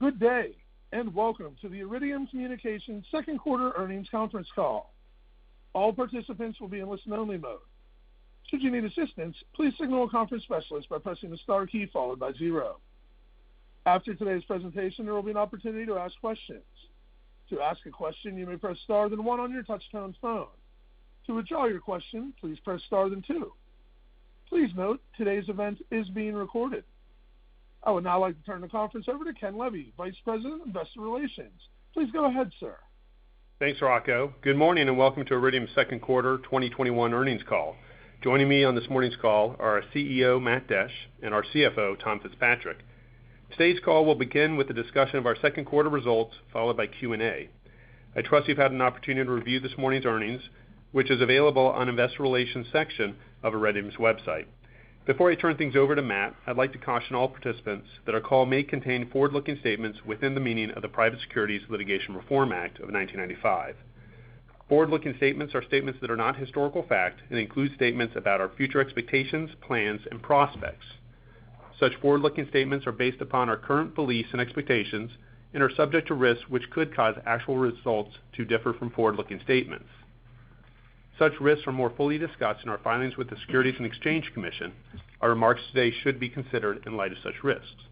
Good day, and welcome to the Iridium Communications Second Quarter Earnings Conference Call. I would now like to turn the conference over to Ken Levy, Vice President of Investor Relations. Please go ahead, sir. Thanks, Rocco. Good morning and welcome to Iridium's Second Quarter 2021 Earnings Call. Joining me on this morning's call are our Chief Executive Officer, Matt Desch, and our Chief Financial Officer, Tom Fitzpatrick. Today's call will begin with a discussion of our second quarter results, followed by Q&A. I trust you've had an opportunity to review this morning's earnings, which is available on investor relations section of Iridium's website. Before I turn things over to Matt, I'd like to caution all participants that our call may contain forward-looking statements within the meaning of the Private Securities Litigation Reform Act of 1995. Forward-looking statements are statements that are not historical fact and include statements about our future expectations, plans, and prospects. Such forward-looking statements are based upon our current beliefs and expectations and are subject to risks which could cause actual results to differ from forward-looking statements. Such risks are more fully discussed in our filings with the Securities and Exchange Commission. Our remarks today should be considered in light of such risks.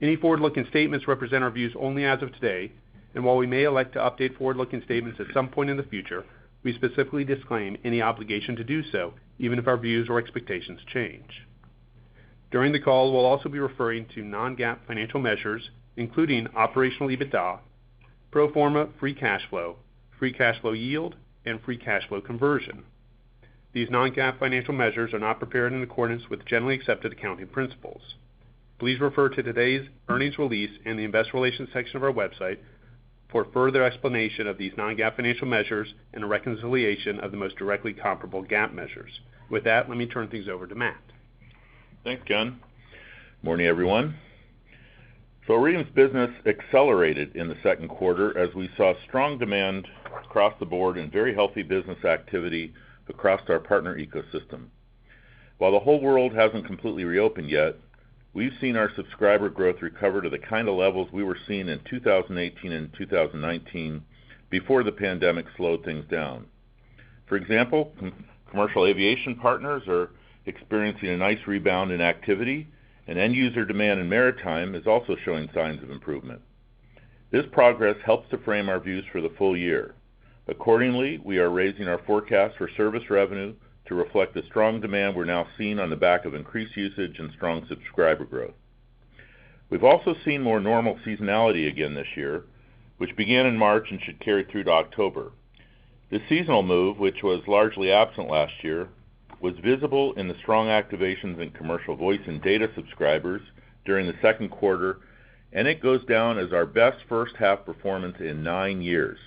Any forward-looking statements represent our views only as of today, and while we may elect to update forward-looking statements at some point in the future, we specifically disclaim any obligation to do so, even if our views or expectations change. During the call, we'll also be referring to non-GAAP financial measures, including operational EBITDA, pro forma free cash flow, free cash flow yield, and free cash flow conversion. These non-GAAP financial measures are not prepared in accordance with generally accepted accounting principles. Please refer to today's earnings release in the investor relations section of our website for further explanation of these non-GAAP financial measures and a reconciliation of the most directly comparable GAAP measures. With that, let me turn things over to Matt. Thanks, Ken. Morning, everyone. Iridium's business accelerated in the second quarter as we saw strong demand across the board and very healthy business activity across our partner ecosystem. While the whole world hasn't completely reopened yet, we've seen our subscriber growth recover to the kind of levels we were seeing in 2018 and 2019 before the pandemic slowed things down. For example, commercial aviation partners are experiencing a nice rebound in activity and end-user demand in maritime is also showing signs of improvement. This progress helps to frame our views for the full year. Accordingly, we are raising our forecast for service revenue to reflect the strong demand we're now seeing on the back of increased usage and strong subscriber growth. We've also seen more normal seasonality again this year, which began in March and should carry through to October. This seasonal move, which was largely absent last year, was visible in the strong activations in commercial voice and data subscribers during the second quarter. It goes down as our best first-half performance in nine years.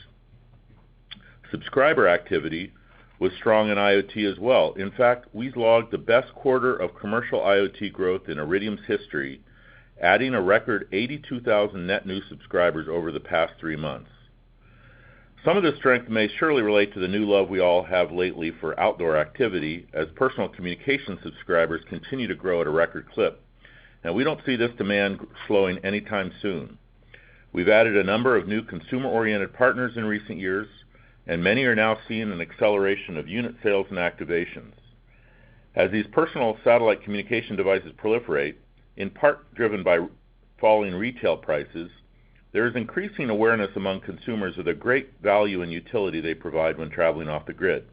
Subscriber activity was strong in IoT as well. In fact, we've logged the best quarter of commercial IoT growth in Iridium's history, adding a record 82,000 net new subscribers over the past three months. Some of this strength may surely relate to the new love we all have lately for outdoor activity as personal communication subscribers continue to grow at a record clip. We don't see this demand slowing anytime soon. We've added a number of new consumer-oriented partners in recent years. Many are now seeing an acceleration of unit sales and activations. As these personal satellite communication devices proliferate, in part driven by falling retail prices, there is increasing awareness among consumers of the great value and utility they provide when traveling off the grid.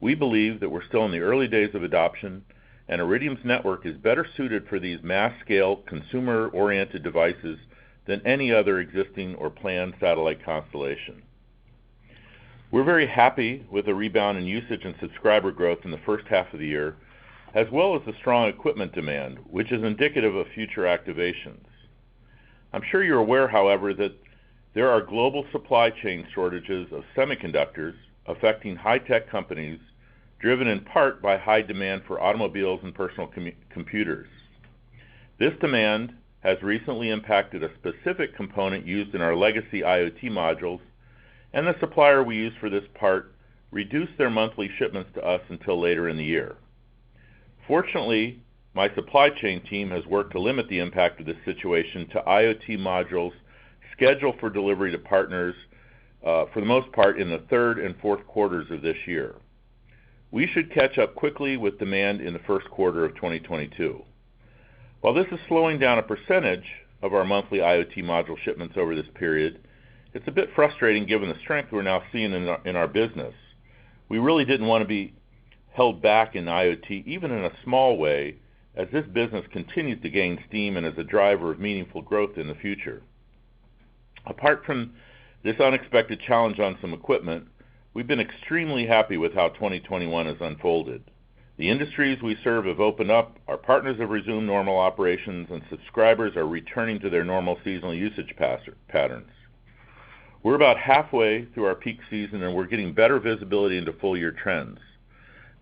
We believe that we're still in the early days of adoption, and Iridium's network is better suited for these mass-scale, consumer-oriented devices than any other existing or planned satellite constellation. We're very happy with the rebound in usage and subscriber growth in the first half of the year, as well as the strong equipment demand, which is indicative of future activations. I'm sure you're aware, however, that there are global supply chain shortages of semiconductors affecting high-tech companies, driven in part by high demand for automobiles and personal computers. This demand has recently impacted a specific component used in our legacy IoT modules, and the supplier we use for this part reduced their monthly shipments to us until later in the year. Fortunately, my supply chain team has worked to limit the impact of this situation to IoT modules scheduled for delivery to partners, for the most part, in the third and fourth quarters of this year. We should catch up quickly with demand in the first quarter of 2022. While this is slowing down a percentage of our monthly IoT module shipments over this period, it's a bit frustrating given the strength we're now seeing in our business. We really didn't want to be held back in IoT, even in a small way, as this business continues to gain steam and is a driver of meaningful growth in the future. Apart from this unexpected challenge on some equipment, we've been extremely happy with how 2021 has unfolded. The industries we serve have opened up, our partners have resumed normal operations, and subscribers are returning to their normal seasonal usage patterns. We're about halfway through our peak season, and we're getting better visibility into full-year trends.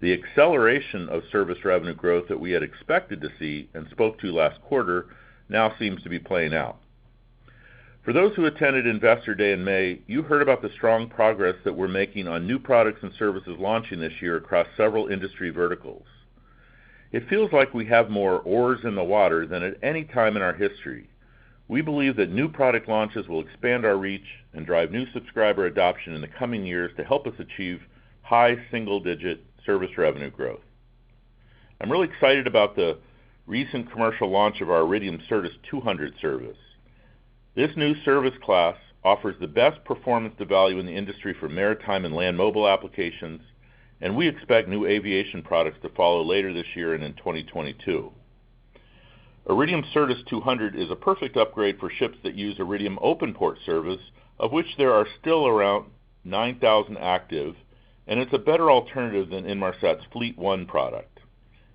The acceleration of service revenue growth that we had expected to see and spoke to last quarter now seems to be playing out. For those who attended Investor Day in May, you heard about the strong progress that we're making on new products and services launching this year across several industry verticals. It feels like we have more oars in the water than at any time in our history. We believe that new product launches will expand our reach and drive new subscriber adoption in the coming years to help us achieve high single-digit service revenue growth. I'm really excited about the recent commercial launch of our Iridium Certus 200 service. This new service class offers the best performance to value in the industry for maritime and land mobile applications. We expect new aviation products to follow later this year and in 2022. Iridium Certus 200 is a perfect upgrade for ships that use Iridium OpenPort service, of which there are still around 9,000 active. It's a better alternative than Inmarsat's Fleet One product.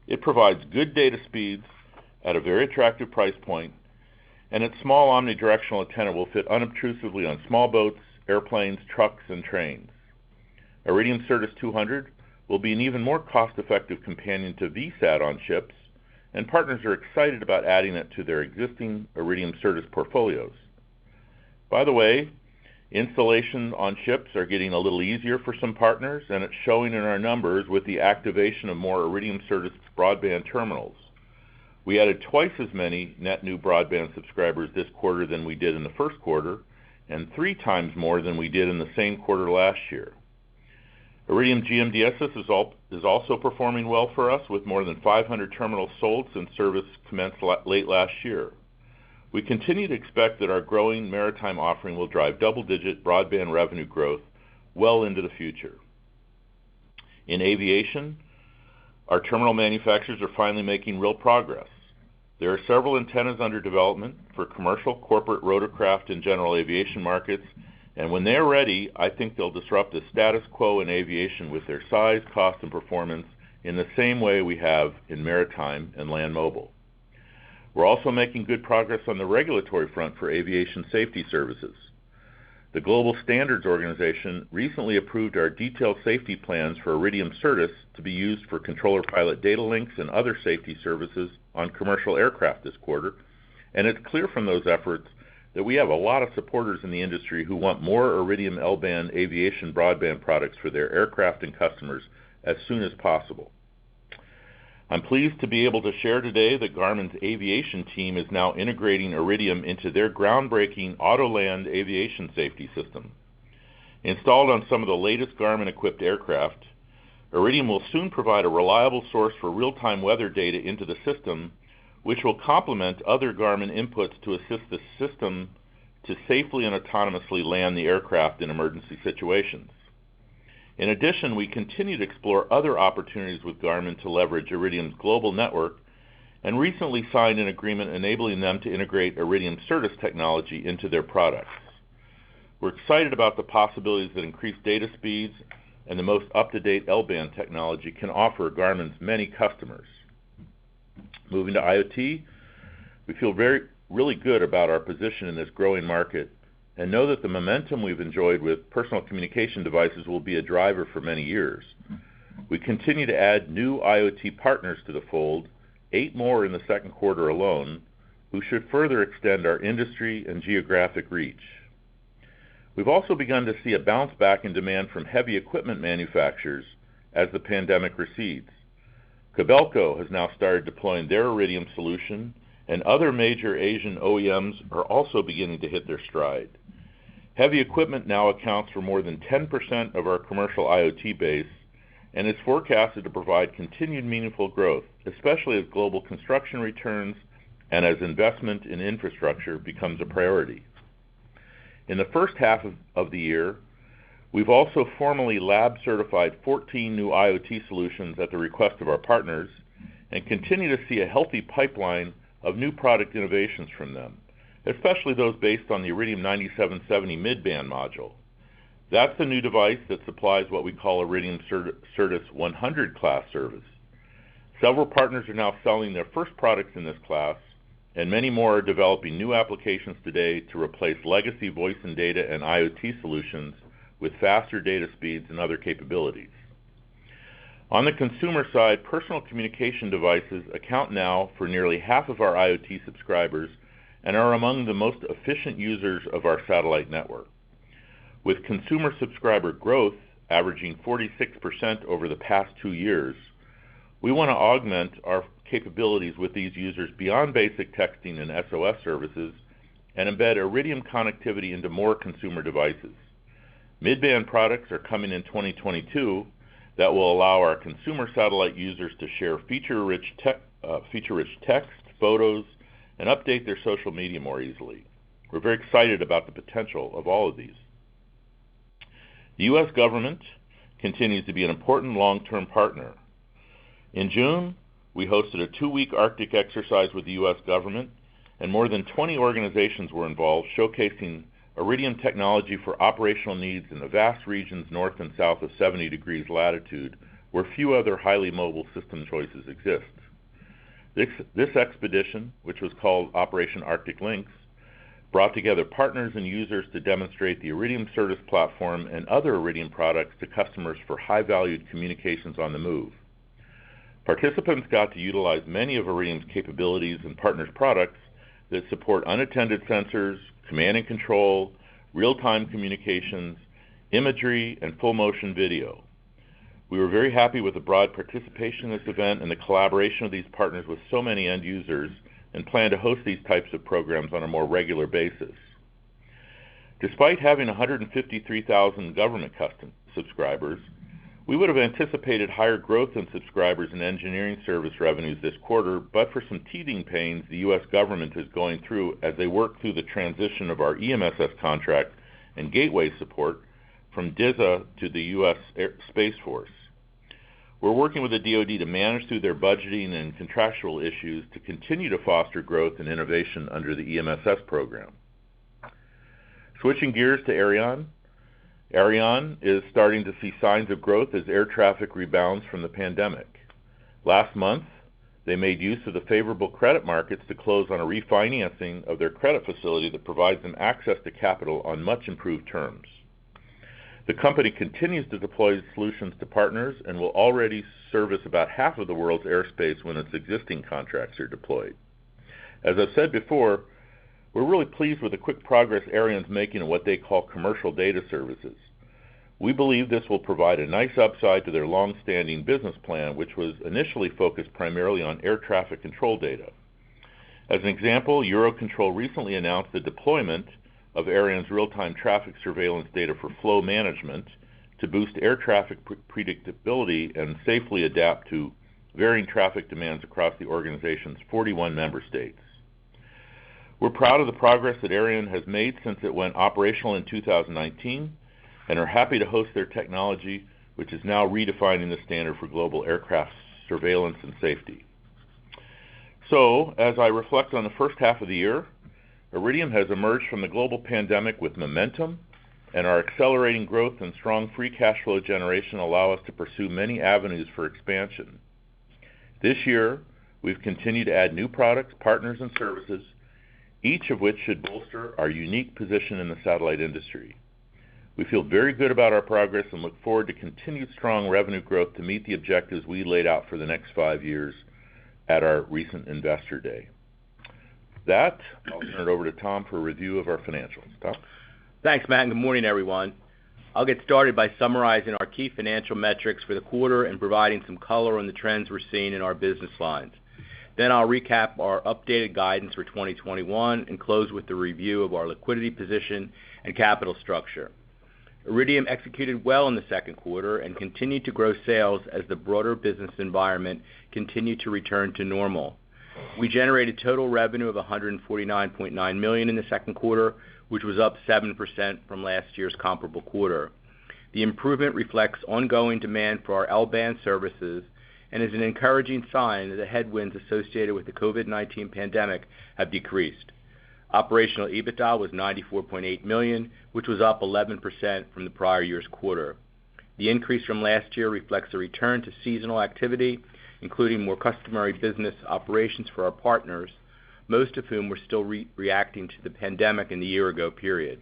It provides good data speeds at a very attractive price point. Its small omnidirectional antenna will fit unobtrusively on small boats, airplanes, trucks, and trains. Iridium Certus 200 will be an even more cost-effective companion to VSAT on ships, and partners are excited about adding it to their existing Iridium Certus portfolios. By the way, installations on ships are getting a little easier for some partners, and it's showing in our numbers with the activation of more Iridium Certus broadband terminals. We added twice as many net new broadband subscribers this quarter than we did in the first quarter, and three times more than we did in the same quarter last year. Iridium GMDSS is also performing well for us, with more than 500 terminals sold since service commenced late last year. We continue to expect that our growing maritime offering will drive double-digit broadband revenue growth well into the future. In aviation, our terminal manufacturers are finally making real progress. There are several antennas under development for commercial, corporate, rotorcraft, and general aviation markets, and when they're ready, I think they'll disrupt the status quo in aviation with their size, cost, and performance in the same way we have in maritime and land mobile. We're also making good progress on the regulatory front for aviation safety services. The Global Standards organization recently approved our detailed safety plans for Iridium Certus to be used for controller pilot data links and other safety services on commercial aircraft this quarter, and it's clear from those efforts that we have a lot of supporters in the industry who want more Iridium L-band aviation broadband products for their aircraft and customers as soon as possible. I'm pleased to be able to share today that Garmin's aviation team is now integrating Iridium into their groundbreaking Autoland aviation safety system. Installed on some of the latest Garmin-equipped aircraft, Iridium will soon provide a reliable source for real-time weather data into the system, which will complement other Garmin inputs to assist the system to safely and autonomously land the aircraft in emergency situations. In addition, we continue to explore other opportunities with Garmin to leverage Iridium's global network and recently signed an agreement enabling them to integrate Iridium Certus technology into their products. We're excited about the possibilities that increased data speeds and the most up-to-date L-band technology can offer Garmin's many customers. Moving to IoT, we feel really good about our position in this growing market and know that the momentum we've enjoyed with personal communication devices will be a driver for many years. We continue to add new IoT partners to the fold, eight more in the second quarter alone, who should further extend our industry and geographic reach. We've also begun to see a bounce-back in demand from heavy equipment manufacturers as the pandemic recedes. Kobelco has now started deploying their Iridium solution, and other major Asian OEMs are also beginning to hit their stride. Heavy equipment now accounts for more than 10% of our commercial IoT base and is forecasted to provide continued meaningful growth, especially as global construction returns and as investment in infrastructure becomes a priority. In the first half of the year, we've also formally lab-certified 14 new IoT solutions at the request of our partners and continue to see a healthy pipeline of new product innovations from them, especially those based on the Iridium 9770 mid-band module. That's the new device that supplies what we call Iridium Certus 100 class service. Several partners are now selling their first products in this class. Many more are developing new applications today to replace legacy voice and data and IoT solutions with faster data speeds and other capabilities. On the consumer side, personal communication devices account now for nearly half of our IoT subscribers and are among the most efficient users of our satellite network. With consumer subscriber growth averaging 46% over the past two years, we want to augment our capabilities with these users beyond basic texting and SOS services and embed Iridium connectivity into more consumer devices. Mid-band products are coming in 2022 that will allow our consumer satellite users to share feature-rich text, photos, and update their social media more easily. We're very excited about the potential of all of these. The U.S. government continues to be an important long-term partner. In June, we hosted a two-week Arctic exercise with the U.S. government. More than 20 organizations were involved, showcasing Iridium technology for operational needs in the vast regions north and south of 70 degrees latitude, where few other highly mobile system choices exist. This expedition, which was called Operation Arctic Lynx, brought together partners and users to demonstrate the Iridium Certus platform and other Iridium products to customers for high-valued communications on the move. Participants got to utilize many of Iridium's capabilities and partners' products that support unattended sensors, command and control, real-time communications, imagery, and full motion video. We were very happy with the broad participation in this event and the collaboration of these partners with so many end users. We plan to host these types of programs on a more regular basis. Despite having 153,000 government subscribers, we would've anticipated higher growth in subscribers and engineering service revenues this quarter, but for some teething pains the U.S. government is going through as they work through the transition of our EMSS contract and gateway support from DISA to the U.S. Space Force. We're working with the DoD to manage through their budgeting and contractual issues to continue to foster growth and innovation under the EMSS program. Switching gears to Aireon. Aireon is starting to see signs of growth as air traffic rebounds from the pandemic. Last month, they made use of the favorable credit markets to close on a refinancing of their credit facility that provides them access to capital on much-improved terms. The company continues to deploy solutions to partners and will already service about half of the world's airspace when its existing contracts are deployed. As I've said before, we're really pleased with the quick progress Aireon's making in what they call commercial data services. We believe this will provide a nice upside to their longstanding business plan, which was initially focused primarily on air traffic control data. As an example, EUROCONTROL recently announced the deployment of Aireon's real-time traffic surveillance data for flow management to boost air traffic predictability and safely adapt to varying traffic demands across the organization's 41 member states. We're proud of the progress that Aireon has made since it went operational in 2019, and are happy to host their technology, which is now redefining the standard for global aircraft surveillance and safety. As I reflect on the first half of the year, Iridium has emerged from the global pandemic with momentum, and our accelerating growth and strong free cash flow generation allow us to pursue many avenues for expansion. This year, we've continued to add new products, partners, and services, each of which should bolster our unique position in the satellite industry. We feel very good about our progress and look forward to continued strong revenue growth to meet the objectives we laid out for the next five years at our recent Investor Day. With that, I'll turn it over to Tom for a review of our financials. Tom? Thanks, Matt, good morning, everyone. I'll get started by summarizing our key financial metrics for the quarter and providing some color on the trends we're seeing in our business lines. I'll recap our updated guidance for 2021 and close with the review of our liquidity position and capital structure. Iridium executed well in the second quarter and continued to grow sales as the broader business environment continued to return to normal. We generated total revenue of $149.9 million in the second quarter, which was up 7% from last year's comparable quarter. The improvement reflects ongoing demand for our L-band services and is an encouraging sign that the headwinds associated with the COVID-19 pandemic have decreased. Operational EBITDA was $94.8 million, which was up 11% from the prior year's quarter. The increase from last year reflects a return to seasonal activity, including more customary business operations for our partners, most of whom were still reacting to the pandemic in the year ago period.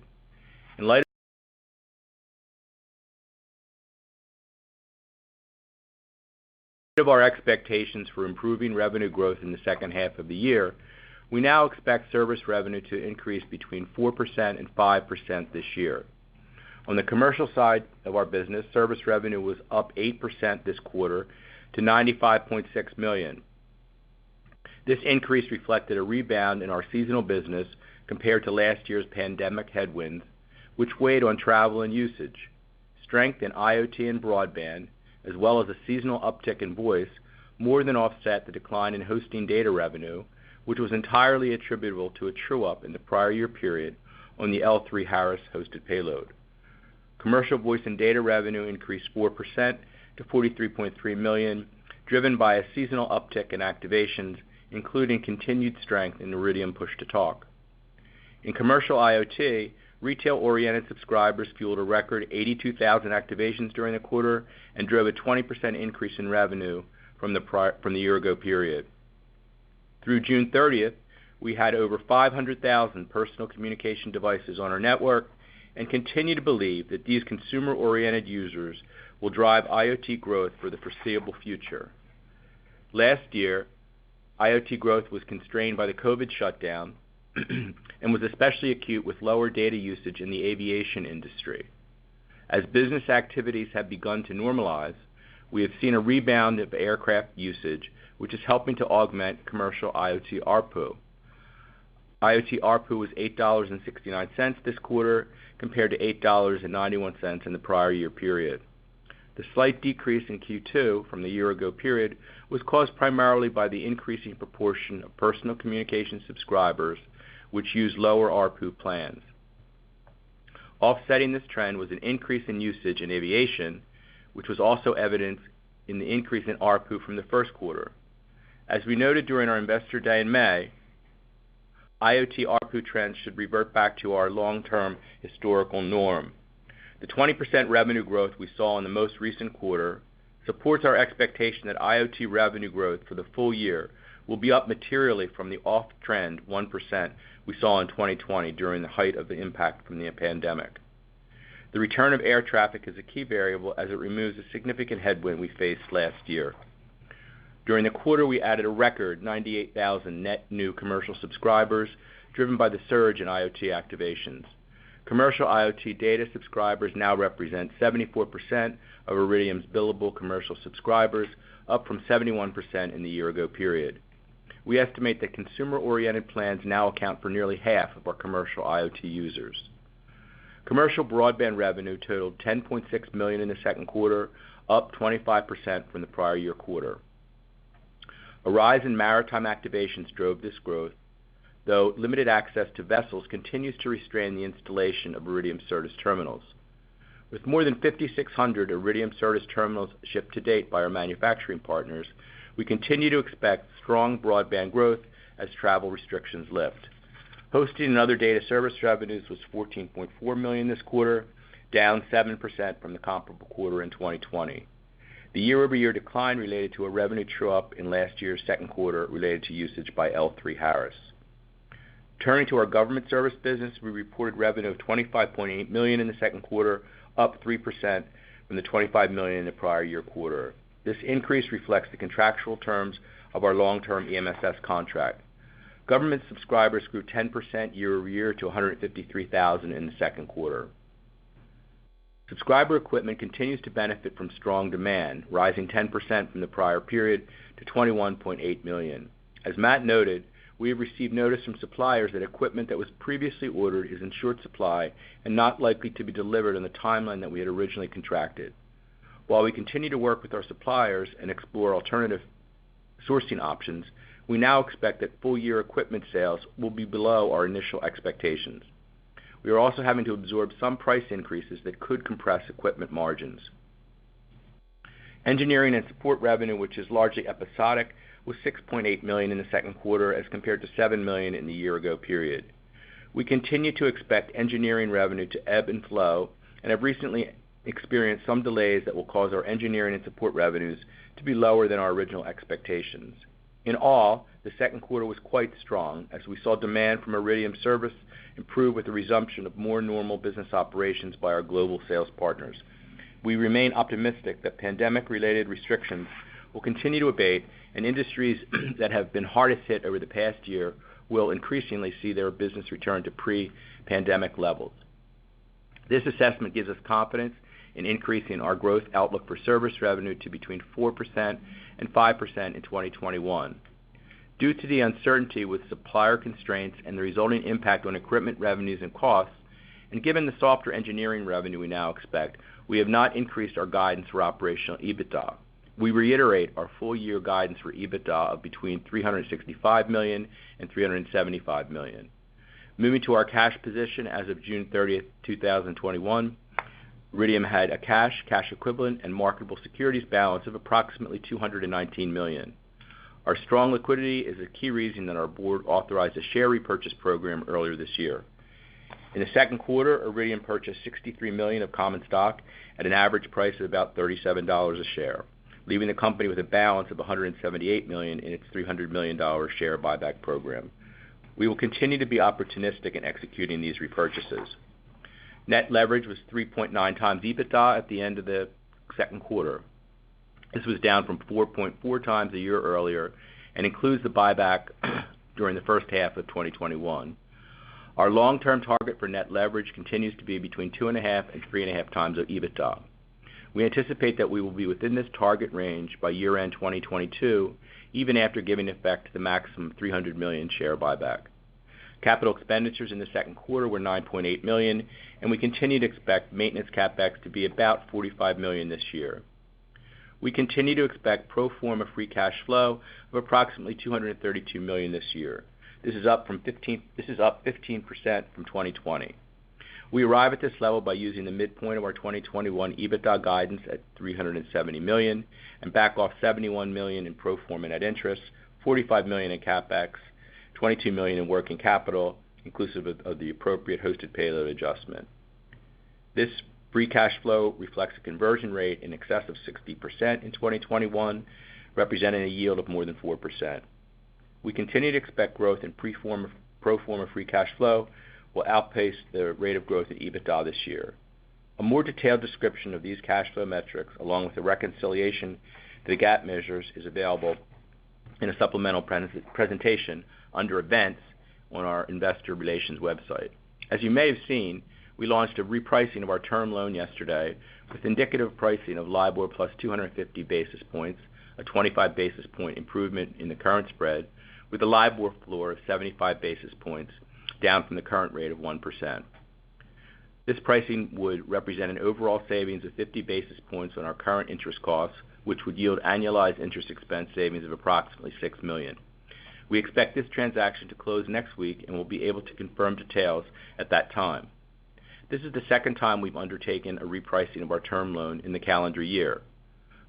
In light of our expectations for improving revenue growth in the second half of the year, we now expect service revenue to increase between 4% and 5% this year. On the commercial side of our business, service revenue was up 8% this quarter to $95.6 million. This increase reflected a rebound in our seasonal business compared to last year's pandemic headwinds, which weighed on travel and usage. Strength in IoT and broadband, as well as a seasonal uptick in voice, more than offset the decline in hosting data revenue, which was entirely attributable to a true-up in the prior year period on the L3Harris-hosted payload. Commercial voice and data revenue increased 4% to $43.3 million, driven by a seasonal uptick in activations, including continued strength in Iridium Push-To-Talk. In commercial IoT, retail-oriented subscribers fueled a record 82,000 activations during the quarter and drove a 20% increase in revenue from the year ago period. Through June 30th, we had over 500,000 personal communication devices on our network and continue to believe that these consumer-oriented users will drive IoT growth for the foreseeable future. Last year, IoT growth was constrained by the COVID-19 shutdown and was especially acute with lower data usage in the aviation industry. As business activities have begun to normalize, we have seen a rebound of aircraft usage, which is helping to augment commercial IoT ARPU. IoT ARPU was $8.69 this quarter, compared to $8.91 in the prior year period. The slight decrease in Q2 from the year ago period was caused primarily by the increasing proportion of personal communication subscribers, which use lower ARPU plans. Offsetting this trend was an increase in usage in aviation, which was also evident in the increase in ARPU from the first quarter. As we noted during our Investor Day in May, IoT ARPU trends should revert back to our long-term historical norm. The 20% revenue growth we saw in the most recent quarter supports our expectation that IoT revenue growth for the full year will be up materially from the off-trend 1% we saw in 2020 during the height of the impact from the pandemic. The return of air traffic is a key variable as it removes a significant headwind we faced last year. During the quarter, we added a record 98,000 net new commercial subscribers, driven by the surge in IoT activations. Commercial IoT data subscribers now represent 74% of Iridium's billable commercial subscribers, up from 71% in the year-ago period. We estimate that consumer-oriented plans now account for nearly half of our commercial IoT users. Commercial broadband revenue totaled $10.6 million in the second quarter, up 25% from the prior-year quarter. A rise in maritime activations drove this growth, though limited access to vessels continues to restrain the installation of Iridium service terminals. With more than 5,600 Iridium service terminals shipped to date by our manufacturing partners, we continue to expect strong broadband growth as travel restrictions lift. Hosting and other data service revenues was $14.4 million this quarter, down 7% from the comparable quarter in 2020. The year-over-year decline related to a revenue true-up in last year's second quarter related to usage by L3Harris. Turning to our government service business, we reported revenue of $25.8 million in the second quarter, up 3% from the $25 million in the prior-year quarter. This increase reflects the contractual terms of our long-term EMSS contract. Government subscribers grew 10% year-over-year to 153,000 in the second quarter. Subscriber equipment continues to benefit from strong demand, rising 10% from the prior period to $21.8 million. As Matt noted, we have received notice from suppliers that equipment that was previously ordered is in short supply and not likely to be delivered on the timeline that we had originally contracted. While we continue to work with our suppliers and explore alternative sourcing options, we now expect that full-year equipment sales will be below our initial expectations. We are also having to absorb some price increases that could compress equipment margins. Engineering and support revenue, which is largely episodic, was $6.8 million in the second quarter as compared to $7 million in the year-ago period. We continue to expect engineering revenue to ebb and flow and have recently experienced some delays that will cause our engineering and support revenues to be lower than our original expectations. In all, the second quarter was quite strong as we saw demand from Iridium service improve with the resumption of more normal business operations by our global sales partners. We remain optimistic that pandemic-related restrictions will continue to abate and industries that have been hardest hit over the past year will increasingly see their business return to pre-pandemic levels. This assessment gives us confidence in increasing our growth outlook for service revenue to between 4% and 5% in 2021. Due to the uncertainty with supplier constraints and the resulting impact on equipment revenues and costs, and given the softer engineering revenue we now expect, we have not increased our guidance for operational EBITDA. We reiterate our full-year guidance for EBITDA of between $365 million and $375 million. Moving to our cash position as of June 30th, 2021, Iridium had a cash equivalent, and marketable securities balance of approximately $219 million. Our strong liquidity is a key reason that our board authorized a share repurchase program earlier this year. In the second quarter, Iridium purchased 63 million of common stock at an average price of about $37 a share, leaving the company with a balance of $178 million in its $300 million share buyback program. We will continue to be opportunistic in executing these repurchases. Net leverage was 3.9x EBITDA at the end of the second quarter. This was down from 4.4x a year earlier and includes the buyback during the first half of 2021. Our long-term target for net leverage continues to be between 2.5x and 3.5x of EBITDA. We anticipate that we will be within this target range by year-end 2022, even after giving effect to the maximum $300 million share buyback. Capital expenditures in the second quarter were $9.8 million, and we continue to expect maintenance CapEx to be about $45 million this year. We continue to expect pro forma free cash flow of approximately $232 million this year. This is up 15% from 2020. We arrive at this level by using the midpoint of our 2021 EBITDA guidance at $370 million and back off $71 million in pro forma net interest, $45 million in CapEx, $22 million in working capital, inclusive of the appropriate hosted payload adjustment. This free cash flow reflects a conversion rate in excess of 60% in 2021, representing a yield of more than 4%. We continue to expect growth in pro forma free cash flow will outpace the rate of growth of EBITDA this year. A more detailed description of these cash flow metrics, along with the reconciliation to the GAAP measures, is available in a supplemental presentation under Events on our investor relations website. As you may have seen, we launched a repricing of our term loan yesterday with indicative pricing of LIBOR plus 250 basis points, a 25-basis-point improvement in the current spread, with a LIBOR floor of 75 basis points, down from the current rate of 1%. This pricing would represent an overall savings of 50 basis points on our current interest costs, which would yield annualized interest expense savings of approximately $6 million. We expect this transaction to close next week, and we'll be able to confirm details at that time. This is the second time we've undertaken a repricing of our term loan in the calendar year.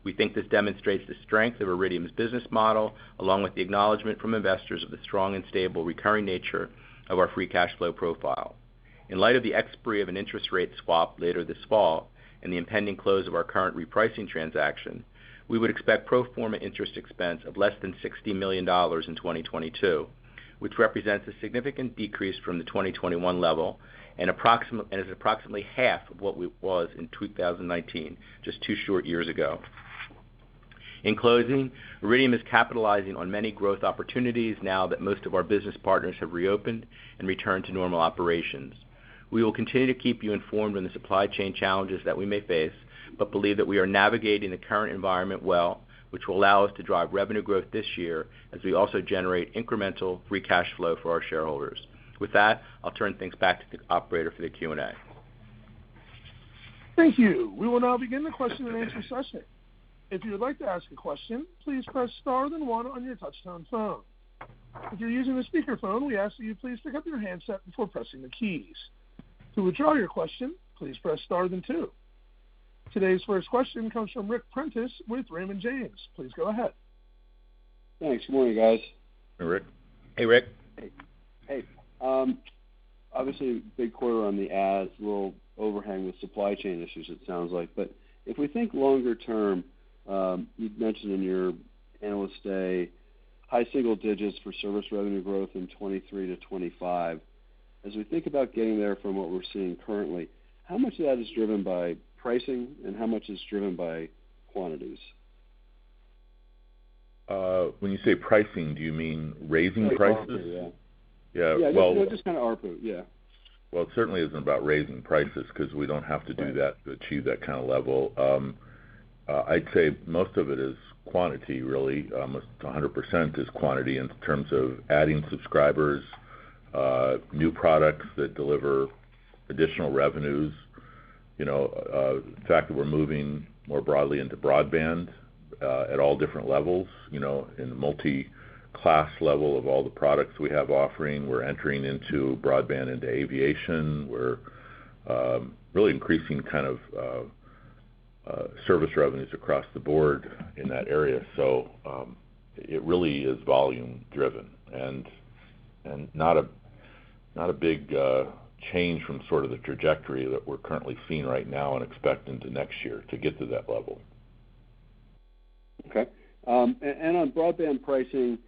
We think this demonstrates the strength of Iridium's business model, along with the acknowledgment from investors of the strong and stable recurring nature of our free cash flow profile. In light of the expiry of an interest rate swap later this fall and the impending close of our current repricing transaction, we would expect pro forma interest expense of less than $60 million in 2022, which represents a significant decrease from the 2021 level and is approximately half of what it was in 2019, just two short years ago. In closing, Iridium is capitalizing on many growth opportunities now that most of our business partners have reopened and returned to normal operations. We will continue to keep you informed on the supply chain challenges that we may face, but believe that we are navigating the current environment well, which will allow us to drive revenue growth this year as we also generate incremental free cash flow for our shareholders. With that, I'll turn things back to the operator for the Q&A. Thank you. We will now begin the question and answer session. Today's first question comes from Ric Prentiss with Raymond James. Please go ahead. Thanks. Good morning, guys. Hey, Ric. Hey, Ric. Hey. Obviously, big quarter on the adds, little overhang with supply chain issues, it sounds like. If we think longer term, you've mentioned in your analyst day, high single digits for service revenue growth in 2023 to 2025. As we think about getting there from what we're seeing currently, how much of that is driven by pricing and how much is driven by quantities? When you say pricing, do you mean raising prices? Like ARPU, yeah. Yeah, well. Yeah, just kind of ARPU. Yeah. Well, it certainly isn't about raising prices because we don't have to do that to achieve that kind of level. I'd say most of it is quantity, really, almost 100% is quantity in terms of adding subscribers, new products that deliver additional revenues. The fact that we're moving more broadly into broadband, at all different levels, in the multi-class level of all the products we have offering. We're entering into broadband into aviation. We're really increasing service revenues across the board in that area. It really is volume driven and not a big change from sort of the trajectory that we're currently seeing right now and expect into next year to get to that level. Okay. On broadband pricing,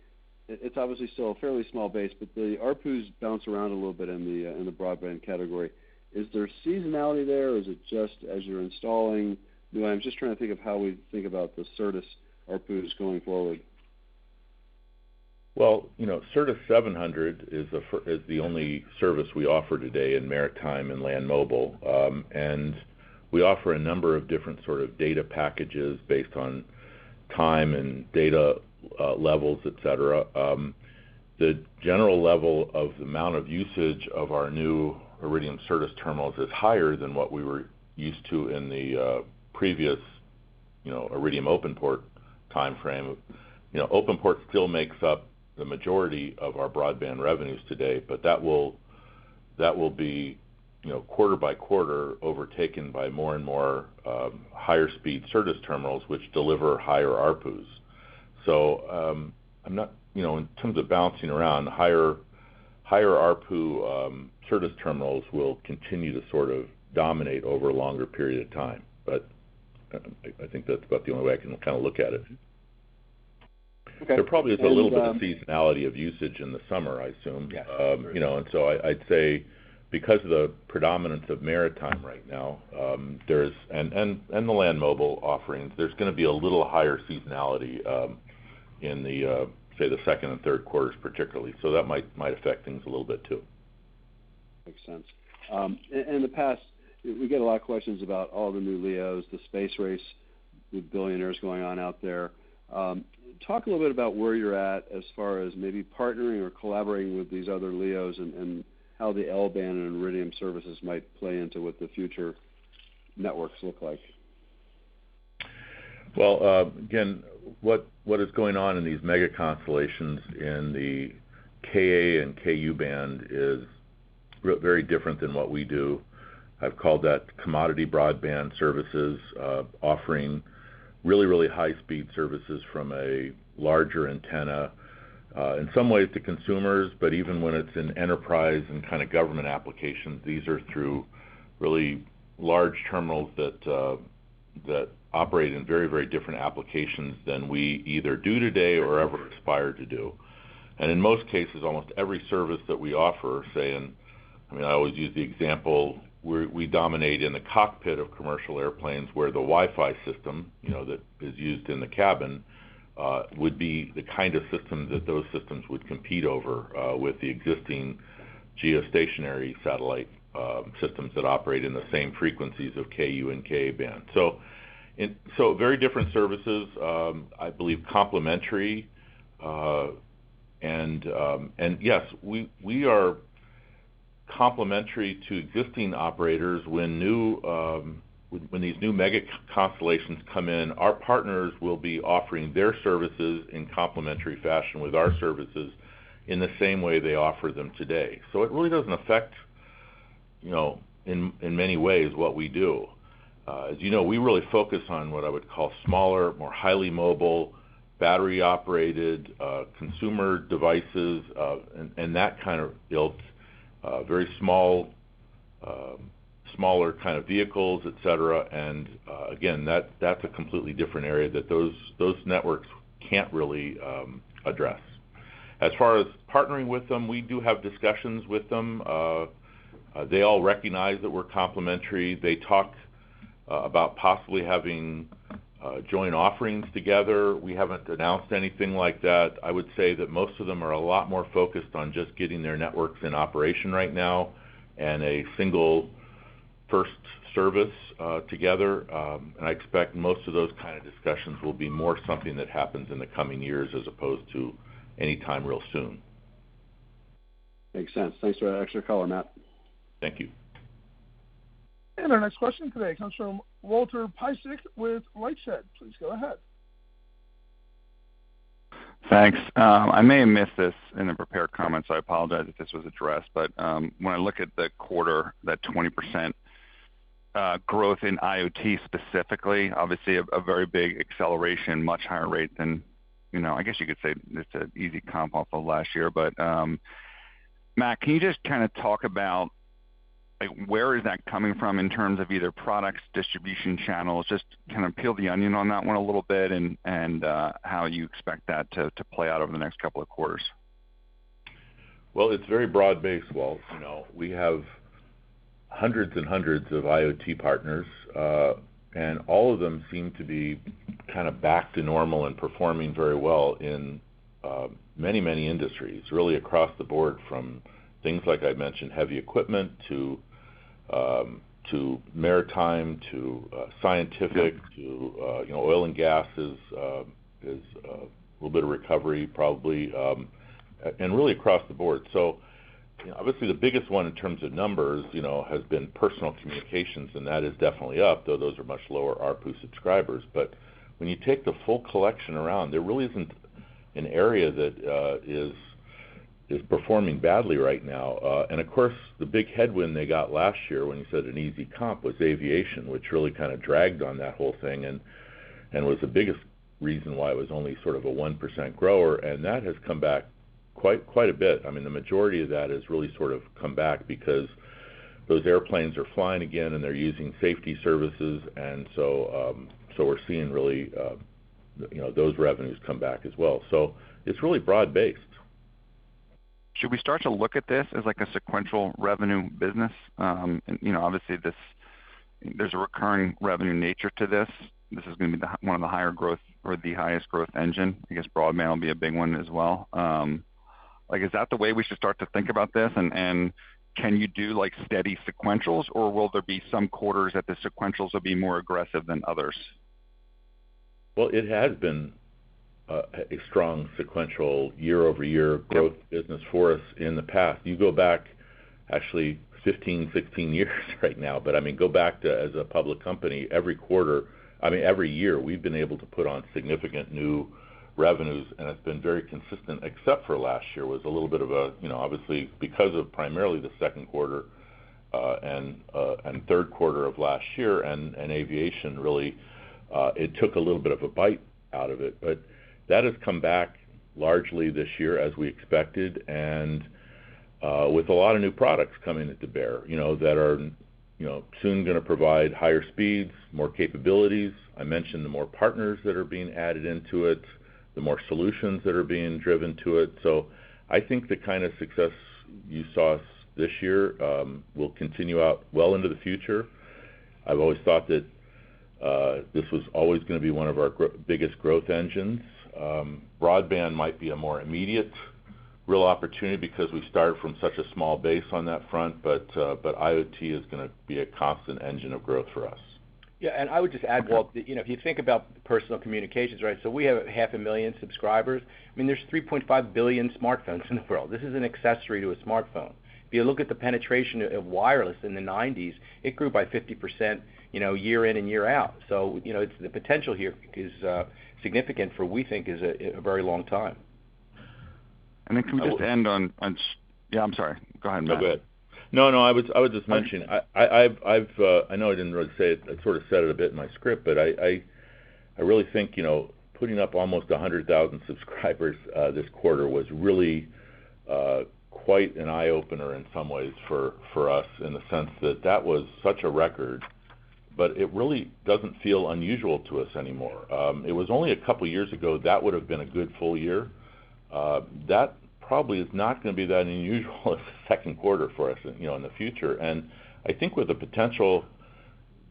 it's obviously still a fairly small base, but the ARPUs bounce around a little bit in the broadband category. Is there seasonality there, or is it just as you're installing new items? Just trying to think of how we think about the Certus ARPUs going forward. Well, Certus 700 is the only service we offer today in maritime and land mobile. We offer a number of different sort of data packages based on time and data levels, et cetera. The general level of the amount of usage of our new Iridium Certus terminals is higher than what we were used to in the previous Iridium OpenPort time frame. OpenPort still makes up the majority of our broadband revenues today, but that will be quarter by quarter overtaken by more and more higher speed Certus terminals, which deliver higher ARPUs. In terms of bouncing around, higher ARPU Certus terminals will continue to sort of dominate over a longer period of time. I think that's about the only way I can look at it. Okay. There probably is a little bit of seasonality of usage in the summer, I assume. Yes. I'd say, because of the predominance of maritime right now, and the land mobile offerings, there's going to be a little higher seasonality in the, say, the second and third quarters particularly. That might affect things a little bit, too. Makes sense. In the past, we get a lot of questions about all the new LEOs, the space race with billionaires going on out there. Talk a little bit about where you're at as far as maybe partnering or collaborating with these other LEOs, and how the L-band and Iridium services might play into what the future networks look like. Well, again, what is going on in these mega constellations in the Ka-band and Ku-band is very different than what we do. I've called that commodity broadband services, offering really, really high-speed services from a larger antenna, in some ways to consumers. Even when it's in enterprise and kind of government applications, these are through really large terminals that operate in very, very different applications than we either do today or ever aspire to do. In most cases, almost every service that we offer, say in, I always use the example, we dominate in the cockpit of commercial airplanes where the Wi-Fi system that is used in the cabin, would be the kind of system that those systems would compete over with the existing geostationary satellite systems that operate in the same frequencies of Ku-band and Ka-band. Very different services. I believe, complementary. Yes, we are complementary to existing operators. When these new mega constellations come in, our partners will be offering their services in complementary fashion with our services in the same way they offer them today. It really doesn't affect, in many ways, what we do. As you know, we really focus on what I would call smaller, more highly mobile, battery-operated, consumer devices, and that kind of built, very smaller kind of vehicles, et cetera. Again, that's a completely different area that those networks can't really address. As far as partnering with them, we do have discussions with them. They all recognize that we're complementary. They talked about possibly having joint offerings together. We haven't announced anything like that. I would say that most of them are a lot more focused on just getting their networks in operation right now and a single first service together. I expect most of those kind of discussions will be more something that happens in the coming years as opposed to any time real soon. Makes sense. Thanks for that extra color, Matt. Thank you. Our next question today comes from Walter Piecyk with LightShed. Please go ahead. Thanks. I may have missed this in the prepared comments, so I apologize if this was addressed. When I look at the quarter, that 20% growth in IoT specifically, obviously a very big acceleration, much higher rate than, I guess you could say it's an easy comp off of last year. Matt, can you just talk about where is that coming from in terms of either products, distribution channels, just peel the onion on that one a little bit and how you expect that to play out over the next couple of quarters? It's very broad-based, Walt. We have hundreds and hundreds of IoT partners, and all of them seem to be back to normal and performing very well in many industries, really across the board from things like I mentioned, heavy equipment to maritime, to scientific, to oil and gas is a little bit of recovery probably, and really across the board. Obviously the biggest one in terms of numbers has been personal communications, and that is definitely up, though those are much lower ARPU subscribers. When you take the full collection around, there really isn't an area that is performing badly right now. Of course, the big headwind they got last year when you said an easy comp was aviation, which really dragged on that whole thing and was the biggest reason why it was only sort of a 1% grower, and that has come back quite a bit. The majority of that has really sort of come back because those airplanes are flying again, and they're using safety services. We're seeing really those revenues come back as well. It's really broad-based. Should we start to look at this as like a sequential revenue business? Obviously, there's a recurring revenue nature to this. This is going to be one of the higher growth or the highest growth engine. I guess broadband will be a big one as well. Is that the way we should start to think about this? Can you do steady sequentials, or will there be some quarters that the sequentials will be more aggressive than others? Well, it has been a strong sequential year-over-year growth business for us in the past. You go back actually 15, 16 years right now, but go back to as a public company, every quarter, every year we've been able to put on significant new revenues, and it's been very consistent except for last year was a little bit of a. Obviously, because of primarily the second quarter and third quarter of last year, and aviation really, it took a little bit of a bite out of it. That has come back largely this year as we expected, and with a lot of new products coming to bear, that are soon going to provide higher speeds, more capabilities. I mentioned the more partners that are being added into it, the more solutions that are being driven to it. I think the kind of success you saw this year will continue out well into the future. I've always thought that this was always going to be one of our biggest growth engines. Broadband might be a more immediate real opportunity because we started from such a small base on that front, but IoT is going to be a constant engine of growth for us. I would just add, Walt, if you think about personal communications, we have half a million subscribers. There's 3.5 billion smartphones in the world. This is an accessory to a smartphone. If you look at the penetration of wireless in the 1990s, it grew by 50% year in and year out. The potential here is significant for, we think, is a very long time. Yeah, I'm sorry. Go ahead, Matt. I was just mentioning, I know I didn't really say it, I sort of said it a bit in my script, but I really think putting up almost 100,000 subscribers this quarter was really quite an eye-opener in some ways for us in the sense that that was such a record, but it really doesn't feel unusual to us anymore. It was only a couple of years ago, that would've been a good full year. That probably is not going to be that unusual a second quarter for us in the future. I think with the potential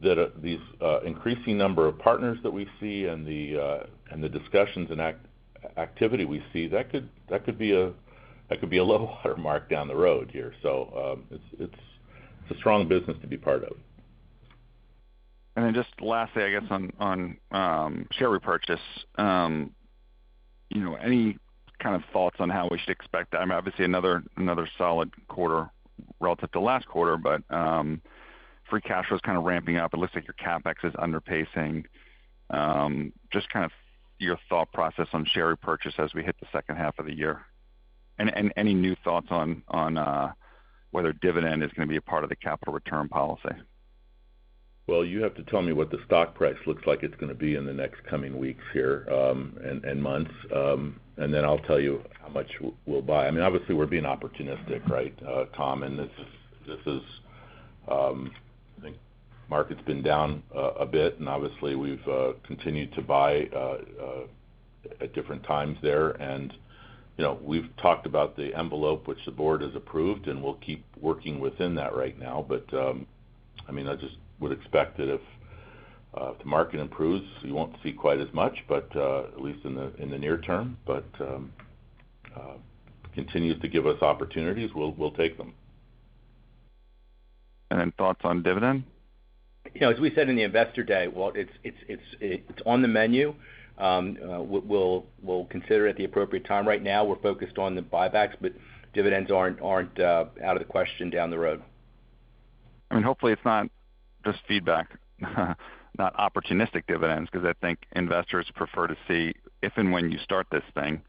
that these increasing number of partners that we see and the discussions and activity we see, that could be a little watermark down the road here. It's a strong business to be part of. Just lastly, I guess on share repurchase, any kind of thoughts on how we should expect that? Obviously another solid quarter relative to last quarter, but free cash flow is kind of ramping up. It looks like your CapEx is under pacing. Just kind of your thought process on share repurchase as we hit the second half of the year. Any new thoughts on whether dividend is going to be a part of the capital return policy? Well, you have to tell me what the stock price looks like it's going to be in the next coming weeks here, and months, and then I'll tell you how much we'll buy. Obviously, we're being opportunistic, right, Tom, I think market's been down a bit, and obviously we've continued to buy at different times there. We've talked about the envelope which the board has approved, and we'll keep working within that right now. I just would expect that if the market improves, you won't see quite as much, but at least in the near term. Continues to give us opportunities, we'll take them. Thoughts on dividend? As we said in the investor day, Walt, it's on the menu. We'll consider at the appropriate time. Right now, we're focused on the buybacks. Dividends aren't out of the question down the road. Hopefully it's not just feedback, not opportunistic dividends, because I think investors prefer to see if and when you start this thing,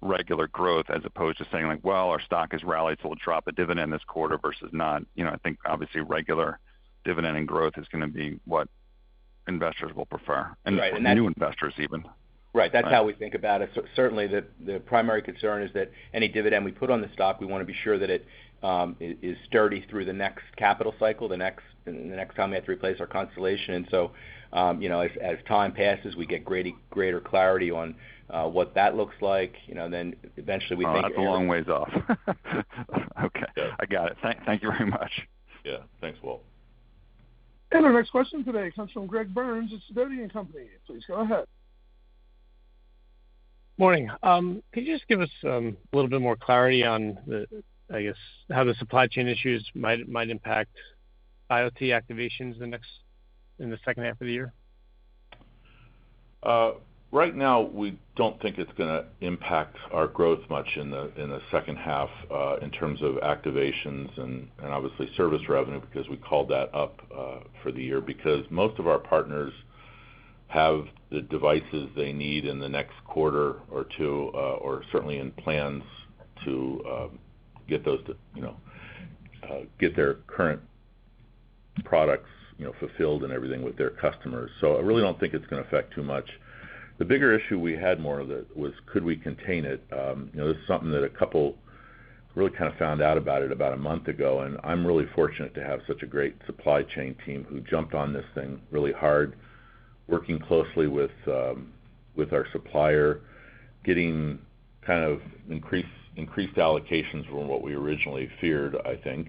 regular growth as opposed to saying, "Well, our stock has rallied, so we'll drop a dividend this quarter versus not." I think obviously regular dividend and growth is going to be what investors will prefer. Right, and that. New investors even. Right. That's how we think about it. Certainly, the primary concern is that any dividend we put on the stock, we want to be sure that it is sturdy through the next capital cycle, the next time we have to replace our constellation. As time passes, we get greater clarity on what that looks like. Oh, that's a long ways off. Okay. Yeah. I got it. Thank you very much. Yeah. Thanks, Walt. Our next question today comes from Greg Burns of Sidoti & Company. Please go ahead. Morning. Can you just give us a little bit more clarity on the, I guess, how the supply chain issues might impact IoT activations in the second half of the year? Right now, we don't think it's going to impact our growth much in the second half, in terms of activations and obviously service revenue, because we called that up for the year. Most of our partners have the devices they need in the next quarter or two, or certainly in plans to get their current products fulfilled and everything with their customers. I really don't think it's going to affect too much. The bigger issue we had more of it was, could we contain it? This is something that a couple really found out about it about a month ago. I'm really fortunate to have such a great supply chain team who jumped on this thing really hard, working closely with our supplier, getting increased allocations from what we originally feared, I think.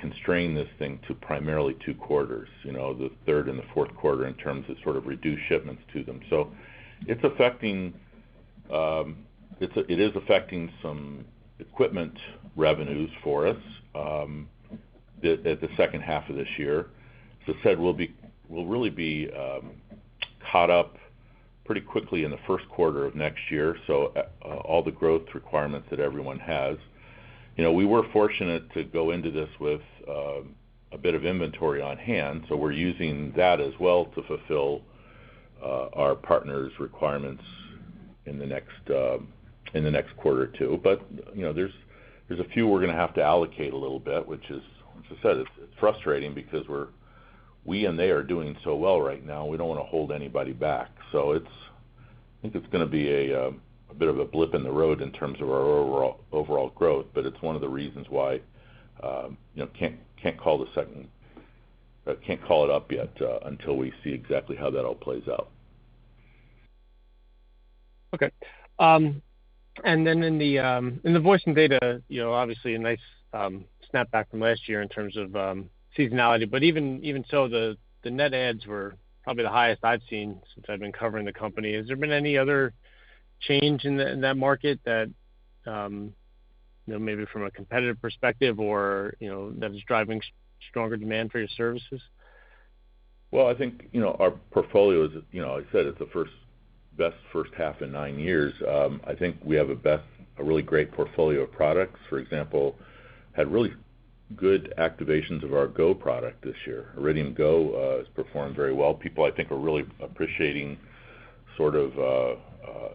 Constrained this thing to primarily two quarters, the third and the fourth quarter, in terms of reduced shipments to them. It is affecting some equipment revenues for us, at the second half of this year. As I said, we'll really be caught up pretty quickly in the first quarter of next year, so all the growth requirements that everyone has. We were fortunate to go into this with a bit of inventory on hand, so we're using that as well to fulfill our partners' requirements in the next quarter or two. There's a few we're going to have to allocate a little bit, which is, as I said, it's frustrating because we and they are doing so well right now. We don't want to hold anybody back. I think it's going to be a bit of a blip in the road in terms of our overall growth, but it's one of the reasons why can't call it up yet until we see exactly how that all plays out. Okay. In the voice and data, obviously a nice snap back from last year in terms of seasonality. Even so, the net adds were probably the highest I've seen since I've been covering the company. Has there been any other change in that market that, maybe from a competitive perspective or that is driving stronger demand for your services? I think, our portfolio is, like I said, it's the best first half in nine years. I think we have a really great portfolio of products. For example, had really good activations of our Iridium GO! product this year. Iridium GO! has performed very well. People, I think, are really appreciating sort of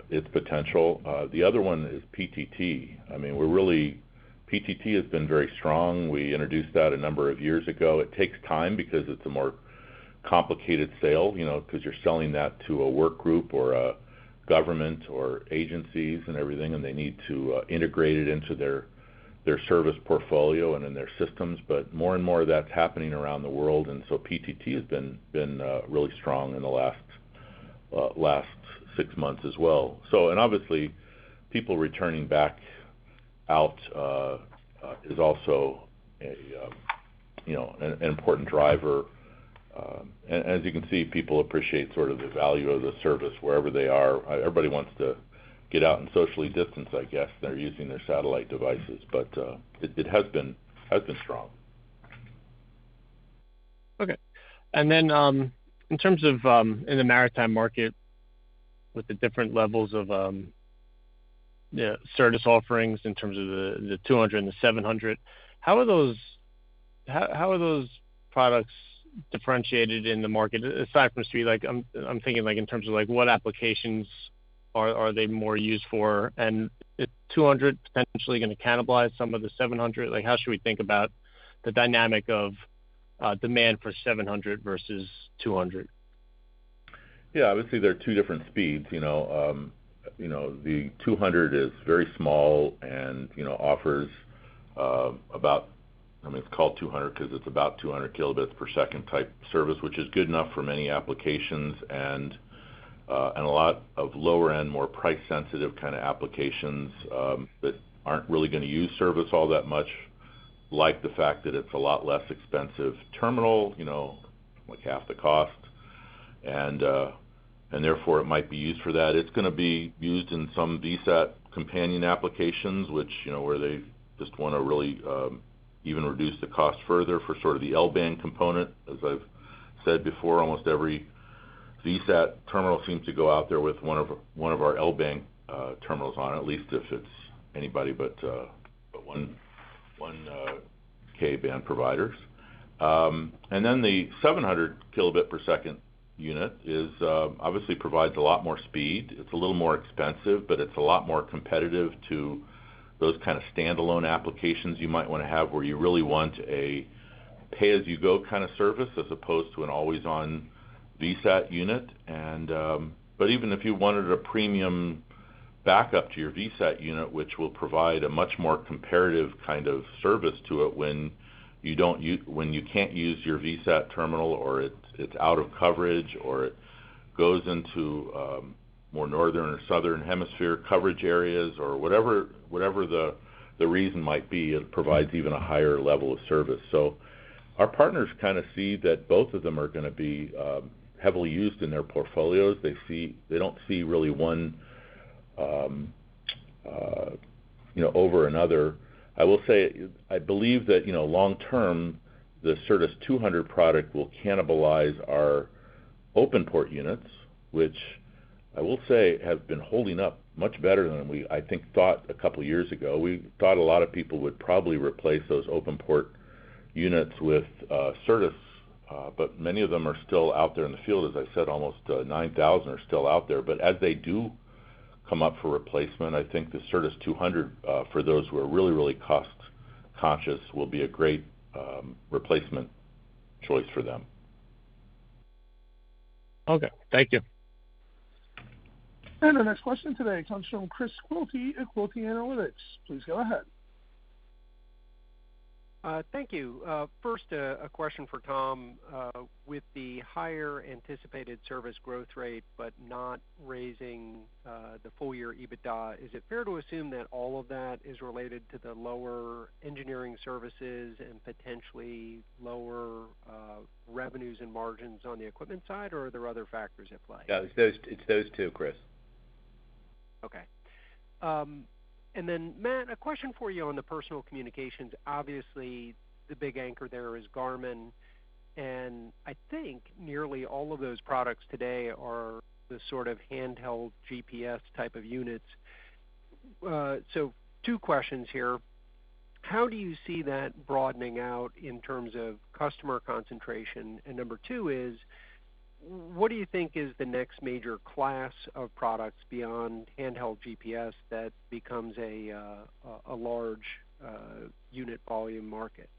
its potential. The other one is PTT. PTT has been very strong. We introduced that a number of years ago. It takes time because it's a more complicated sale, because you're selling that to a work group or a government or agencies and everything, and they need to integrate it into their service portfolio and in their systems. More and more of that's happening around the world, PTT has been really strong in the last six months as well. Obviously, people returning back out is also an important driver. As you can see, people appreciate sort of the value of the service wherever they are. Everybody wants to get out and socially distance, I guess, they're using their satellite devices. It has been strong. Okay. Then, in terms of in the maritime market with the different levels of service offerings in terms of the 200 and the 700, how are those products differentiated in the market aside from just fee? I'm thinking in terms of what applications are they more used for, and is 200 potentially going to cannibalize some of the 700? How should we think about the dynamic of demand for 700 versus 200? Yeah, obviously, they're two different speeds. The 200 is very small and it's called 200 because it's about 200 kbps type service, which is good enough for many applications and a lot of lower end, more price sensitive kind of applications, that aren't really going to use service all that much, like the fact that it's a lot less expensive terminal, like half the cost. Therefore it might be used for that. It's going to be used in some VSAT companion applications, which where they just want to really even reduce the cost further for sort of the L-band component. As I've said before, almost every VSAT terminal seems to go out there with one of our L-band terminals on, at least if it's anybody but one Ka-band providers. Then the 700 kilobit per second unit obviously provides a lot more speed. It's a little more expensive, but it's a lot more competitive to those kind of standalone applications you might want to have where you really want a pay-as-you-go kind of service as opposed to an always-on VSAT unit. Even if you wanted a premium backup to your VSAT unit, which will provide a much more comparative kind of service to it when you can't use your VSAT terminal or it's out of coverage, or it goes into more northern or southern hemisphere coverage areas or whatever the reason might be, it provides even a higher level of service. Our partners kind of see that both of them are going to be heavily used in their portfolios. They don't see really one over another. I will say, I believe that long term, the Iridium Certus 200 product will cannibalize our Iridium OpenPort units, which I will say have been holding up much better than we, I think, thought a couple of years ago. We thought a lot of people would probably replace those Iridium OpenPort units with Iridium Certus, but many of them are still out there in the field. As I said, almost 9,000 are still out there. As they do come up for replacement, I think the Iridium Certus 200, for those who are really cost conscious, will be a great replacement choice for them. Okay. Thank you. Our next question today comes from Chris Quilty at Quilty Analytics. Please go ahead. Thank you. First, a question for Tom. With the higher anticipated service growth rate, but not raising the full year EBITDA, is it fair to assume that all of that is related to the lower engineering services and potentially lower revenues and margins on the equipment side, or are there other factors at play? No, it's those two, Chris. Okay. Matt, a question for you on the personal communications. Obviously, the big anchor there is Garmin, and I think nearly all of those products today are the sort of handheld GPS type of units. Two questions here. How do you see that broadening out in terms of customer concentration? Number two is, what do you think is the next major class of products beyond handheld GPS that becomes a large unit volume market?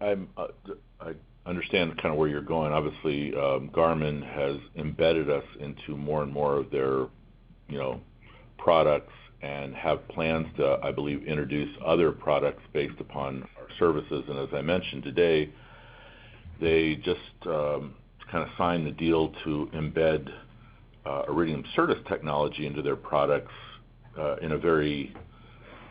I understand kind of where you're going. Obviously, Garmin has embedded us into more and more of their products and have plans to, I believe, introduce other products based upon our services. As I mentioned today, they just signed the deal to embed Iridium Certus technology into their products, in a very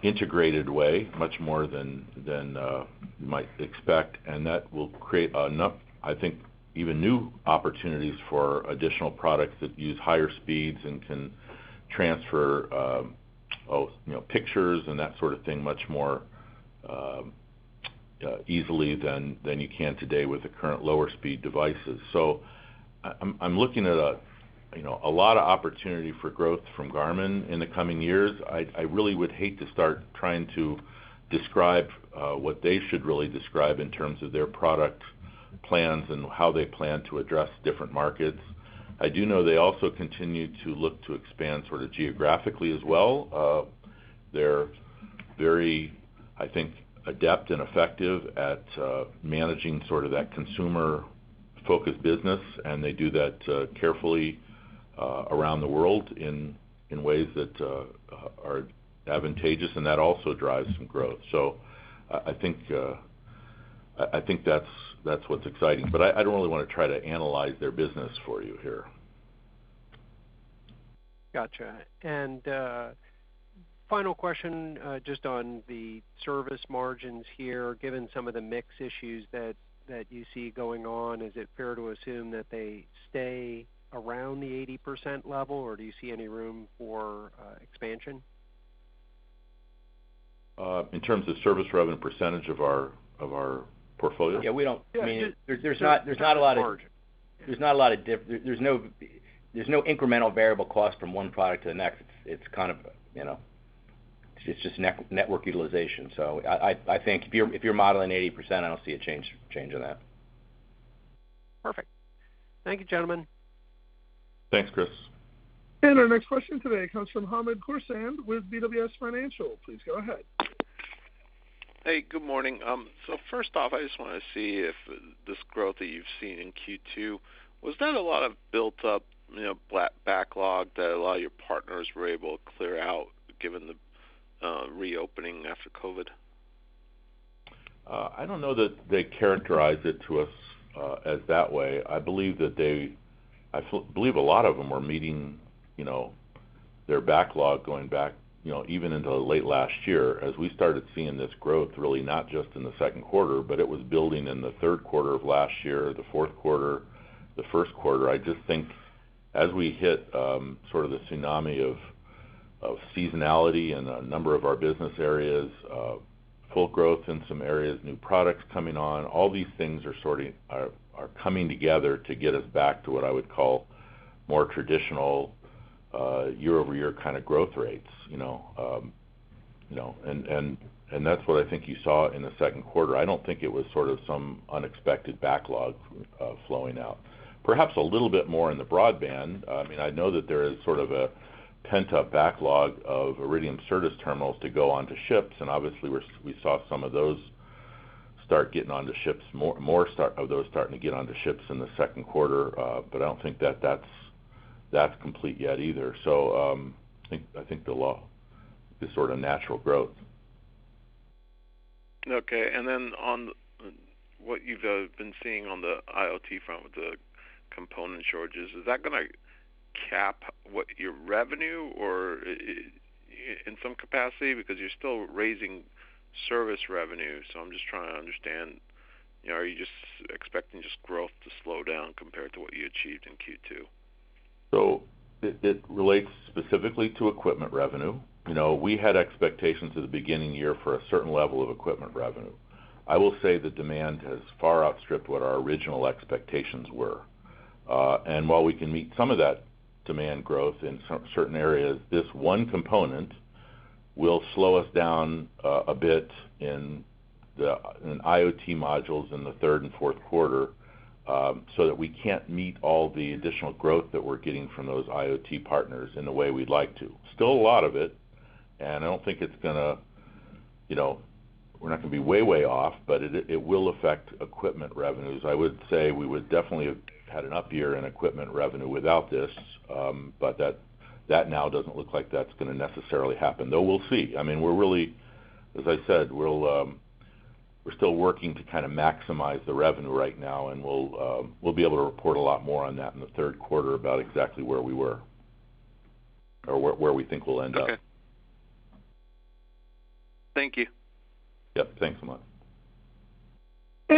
integrated way, much more than you might expect. That will create, I think, even new opportunities for additional products that use higher speeds and can transfer pictures and that sort of thing much more easily than you can today with the current lower speed devices. I'm looking at a lot of opportunity for growth from Garmin in the coming years. I really would hate to start trying to describe what they should really describe in terms of their product plans and how they plan to address different markets. I do know they also continue to look to expand sort of geographically as well. They're very, I think, adept and effective at managing sort of that consumer-focused business, and they do that carefully around the world in ways that are advantageous, and that also drives some growth. I think that's what's exciting, but I don't really want to try to analyze their business for you here. Got you. Final question, just on the service margins here, given some of the mix issues that you see going on, is it fair to assume that they stay around the 80% level, or do you see any room for expansion? In terms of service revenue percentage of our portfolio? Yeah, we don't. There's no incremental variable cost from one product to the next. It's just network utilization. I think if you're modeling 80%, I don't see a change in that. Perfect. Thank you, gentlemen. Thanks, Chris. Our next question today comes from Hamed Khorsand with BWS Financial. Please go ahead. Hey, good morning. First off, I just want to see if this growth that you've seen in Q2, was that a lot of built up backlog that a lot of your partners were able to clear out given the reopening after COVID? I don't know that they characterized it to us as that way. I believe a lot of them were meeting their backlog going back even into late last year as we started seeing this growth really not just in the second quarter, but it was building in the third quarter of last year, the fourth quarter, the first quarter. I just think as we hit sort of the tsunami of seasonality in a number of our business areas, full growth in some areas, new products coming on, all these things are coming together to get us back to what I would call more traditional year-over-year kind of growth rates. That's what I think you saw in the second quarter. I don't think it was sort of some unexpected backlog flowing out. Perhaps a little bit more in the broadband. I know that there is sort of a pent-up backlog of Iridium Certus terminals to go onto ships, and obviously we saw some of those start getting onto ships, more of those starting to get onto ships in the second quarter. I don't think that's complete yet either. I think the all is sort of natural growth. Okay, on what you've been seeing on the IoT front with the component shortages, is that going to cap what your revenue or in some capacity because you're still raising service revenue? I'm just trying to understand, are you just expecting just growth to slow down compared to what you achieved in Q2? It relates specifically to equipment revenue. We had expectations at the beginning of the year for a certain level of equipment revenue. I will say the demand has far outstripped what our original expectations were. While we can meet some of that demand growth in certain areas, this one component will slow us down a bit in IoT modules in the third and fourth quarter, so that we can't meet all the additional growth that we're getting from those IoT partners in the way we'd like to. Still a lot of it, and I don't think we're not going to be way off, but it will affect equipment revenues. I would say we would definitely have had an up year in equipment revenue without this, but that now doesn't look like that's going to necessarily happen, though we'll see. As I said, we're still working to kind of maximize the revenue right now, and we'll be able to report a lot more on that in the third quarter about exactly where we were or where we think we'll end up. Okay. Thank you. Yep. Thanks a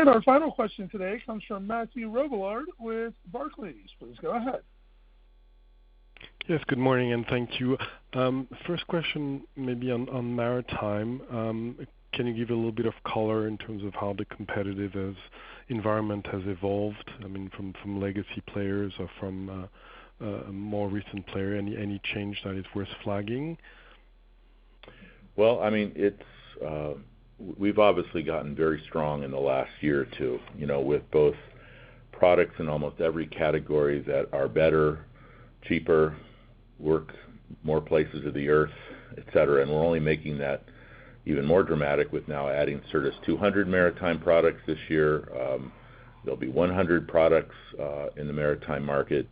lot. Our final question today comes from Mathieu Robilliard with Barclays. Please go ahead. Yes, good morning, and thank you. First question maybe on maritime. Can you give a little bit of color in terms of how the competitive environment has evolved, I mean, from legacy players or from a more recent player? Any change that is worth flagging? Well, we've obviously gotten very strong in the last year or two, with both products in almost every category that are better, cheaper, work more places of the Earth, et cetera. We're only making that even more dramatic with now adding Certus 200 maritime products this year. There'll be 100 products in the maritime market.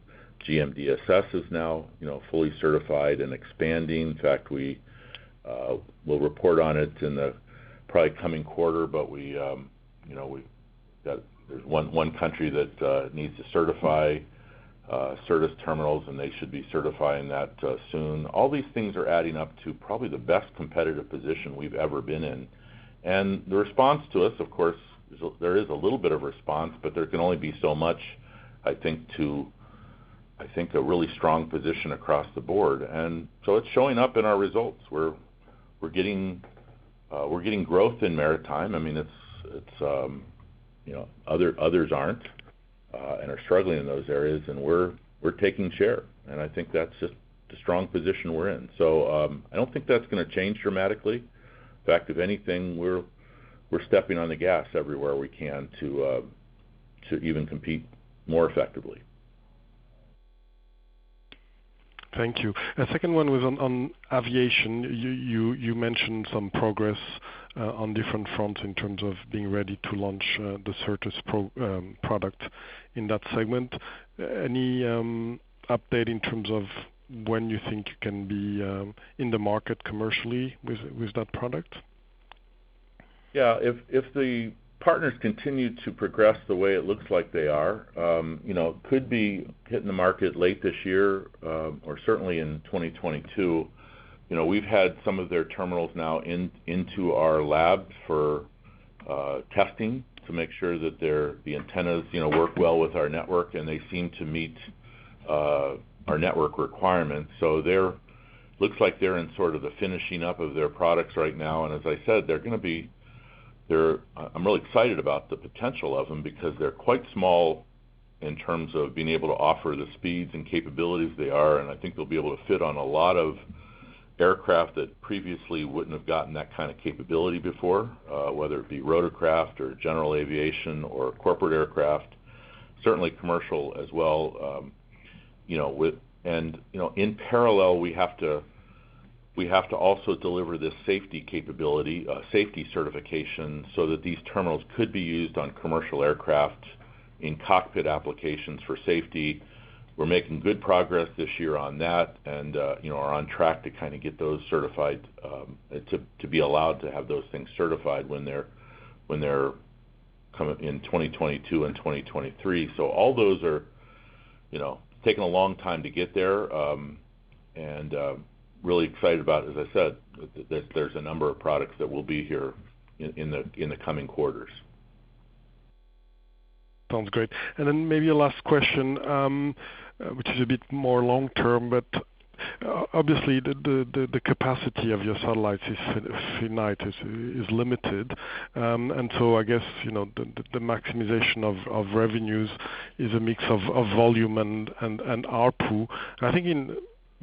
GMDSS is now fully certified and expanding. In fact, we'll report on it in the probably coming quarter, but there's 1 country that needs to certify Certus terminals, and they should be certifying that soon. All these things are adding up to probably the best competitive position we've ever been in. The response to us, of course, there is a little bit of response, but there can only be so much, I think, to a really strong position across the board. It's showing up in our results. We're getting growth in maritime. Others aren't and are struggling in those areas, and we're taking share, and I think that's just the strong position we're in. I don't think that's going to change dramatically. In fact, if anything, we're stepping on the gas everywhere we can to even compete more effectively. Thank you. A second one was on aviation. You mentioned some progress on different fronts in terms of being ready to launch the Certus product in that segment. Any update in terms of when you think you can be in the market commercially with that product? Yeah. If the partners continue to progress the way it looks like they are, could be hitting the market late this year, or certainly in 2022. We've had some of their terminals now into our labs for testing to make sure that the antennas work well with our network, and they seem to meet our network requirements. Looks like they're in sort of the finishing up of their products right now. As I said, I'm really excited about the potential of them because they're quite small in terms of being able to offer the speeds and capabilities they are, and I think they'll be able to fit on a lot of aircraft that previously wouldn't have gotten that kind of capability before, whether it be rotorcraft or general aviation or corporate aircraft. Certainly commercial as well. In parallel, we have to also deliver this safety capability, safety certification, so that these terminals could be used on commercial aircraft in cockpit applications for safety. We're making good progress this year on that and are on track to get those certified, to be allowed to have those things certified when they're coming in 2022 and 2023. All those are taking a long time to get there, and really excited about, as I said, that there's a number of products that will be here in the coming quarters. Sounds great. Maybe a last question, which is a bit more long-term, but obviously the capacity of your satellites is finite, is limited. I guess, the maximization of revenues is a mix of volume and ARPU. I think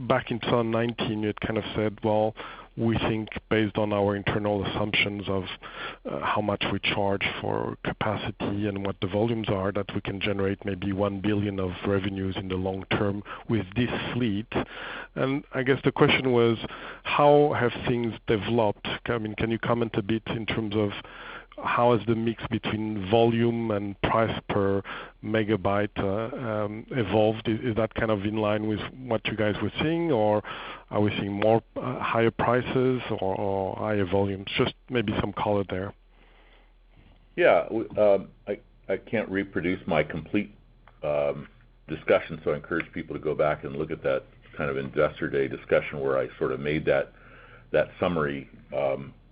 back in 2019, you had kind of said, "Well, we think based on our internal assumptions of how much we charge for capacity and what the volumes are, that we can generate maybe $1 billion of revenues in the long term with this fleet." I guess the question was, how have things developed? Can you comment a bit in terms of how has the mix between volume and price per megabyte evolved? Is that kind of in line with what you guys were seeing, or are we seeing more higher prices or higher volumes? Just maybe some color there. Yeah. I can't reproduce my complete discussion, so I encourage people to go back and look at that kind of Investor Day discussion where I sort of made that summary.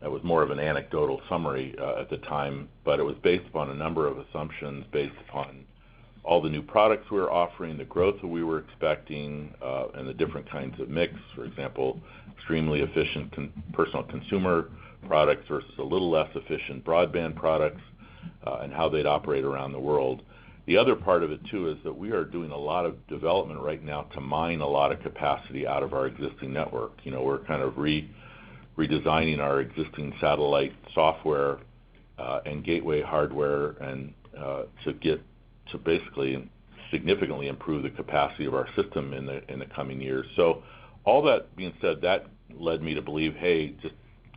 That was more of an anecdotal summary at the time, but it was based upon a number of assumptions based upon all the new products we were offering, the growth that we were expecting, and the different kinds of mix. For example, extremely efficient personal consumer products versus a little less efficient broadband products, and how they'd operate around the world. The other part of it too is that we are doing a lot of development right now to mine a lot of capacity out of our existing network. We're kind of redesigning our existing satellite software and gateway hardware to basically and significantly improve the capacity of our system in the coming years. All that being said, that led me to believe, hey, just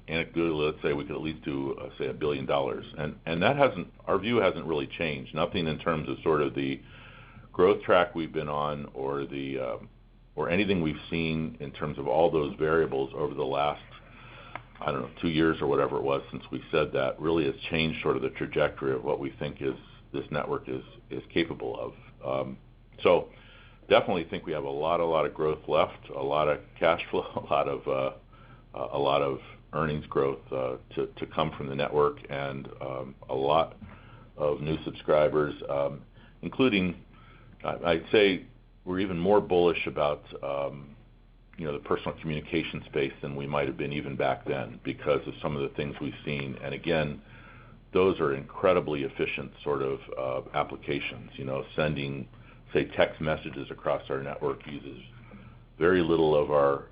anecdotally, let's say we could at least do, say, a billion dollars. Our view hasn't really changed. Nothing in terms of sort of the growth track we've been on or anything we've seen in terms of all those variables over the last, I don't know, two years or whatever it was since we said that, really has changed sort of the trajectory of what we think this network is capable of. Definitely think we have a lot of growth left, a lot of cash flow, a lot of earnings growth to come from the network and a lot of new subscribers, including, I'd say we're even more bullish about the personal communication space than we might've been even back then because of some of the things we've seen. Again, those are incredibly efficient sort of applications. Sending, say, text messages across our network uses very little of our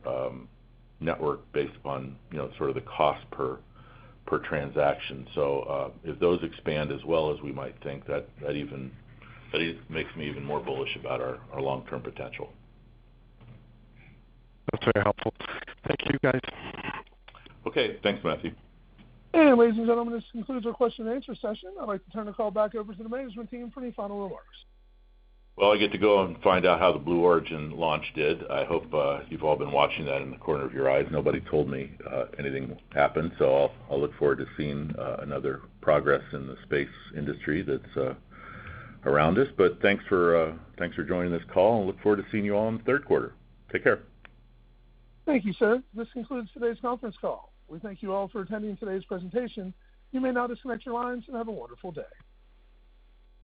network based upon sort of the cost per transaction. If those expand as well as we might think, that makes me even more bullish about our long-term potential. That's very helpful. Thank you, guys. Okay. Thanks, Mathieu. Ladies and gentlemen, this concludes our question and answer session. I'd like to turn the call back over to the management team for any final remarks. I get to go and find out how the Blue Origin launch did. I hope you've all been watching that in the corner of your eyes. Nobody told me anything happened. I'll look forward to seeing another progress in the space industry that's around us. Thanks for joining this call, and look forward to seeing you all in the third quarter. Take care. Thank you, sir. This concludes today's conference call. We thank you all for attending today's presentation. You may now disconnect your lines, and have a wonderful day.